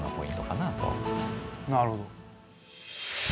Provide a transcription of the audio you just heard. なるほど。